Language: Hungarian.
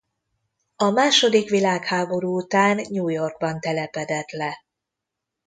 A második világháború után New Yorkban telepedett le.